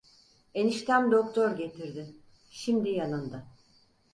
Eniştem doktor getirdi, şimdi yanında…